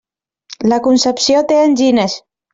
La Concepció té angines.